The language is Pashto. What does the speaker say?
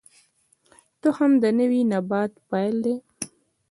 تخم د نوي نبات پیل دی